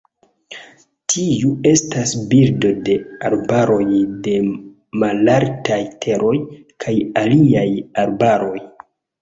Tiu estas birdo de arbaroj de malaltaj teroj kaj aliaj arbaroj.